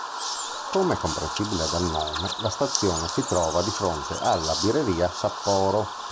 Come comprensibile dal nome, la stazione si trova di fronte alla Birreria Sapporo.